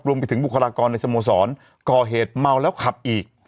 บุคลากรในสโมสรก่อเหตุเมาแล้วขับอีก